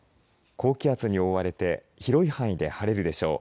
高気圧に覆われて広い範囲で晴れるでしょう。